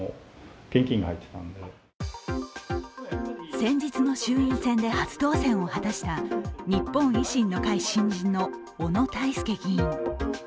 先日の衆院選で初当選を果たした日本維新の会新人の小野泰輔議員。